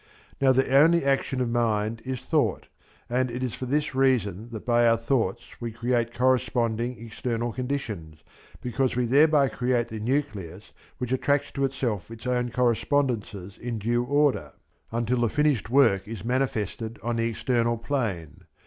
Now the only action of Mind is Thought; and it is for this reason that by our thoughts we create corresponding external conditions, because we thereby create the nucleus which attracts to itself its own correspondences in due order until the finished work is manifested on the external plane.